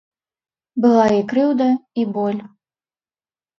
Была і крыўда і боль.